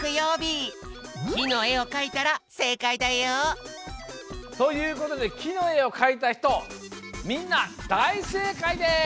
木の絵をかいたらせいかいだよ。ということで木の絵をかいたひとみんなだいせいかいです！